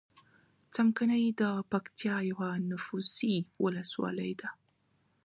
څمکنی دپکتیا یوه نفوسې ولسوالۍ ده.